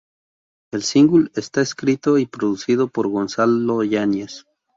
El single está escrito y producido por Gonzalo Yañez.